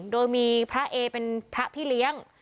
โดยมีพระเอเป็นพระพี่เลี้ยง